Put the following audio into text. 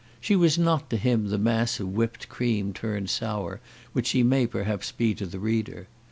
She was not to him the mass of whipped cream turned sour which she may perhaps be to the reader.